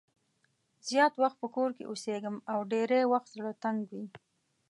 زیات وخت په کور کې اوسېږم او ډېری وخت زړه تنګ وي.